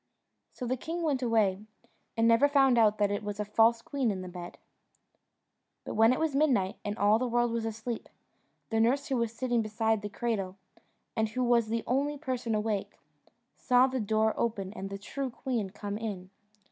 So the king went away, and never found out that it was a false queen in the bed. But when it was midnight, and all the world was asleep, the nurse who was sitting beside the cradle, and who was the only person awake, saw the door open and the true queen come in.